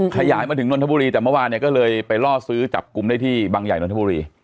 ขยายมาถึงนนทบุรีแต่เมื่อวานเนี่ยก็เลยไปล่อซื้อจับกลุ่มได้ที่บางใหญ่นนทบุรี